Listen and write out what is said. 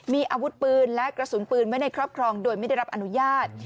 มีอาวุธปืนและกระสุนปืนไว้ในครอบครองโดยไม่ได้รับอนุญาต